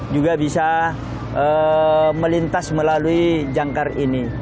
juga bisa melintas melalui jangkar ini